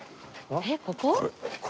えっここ？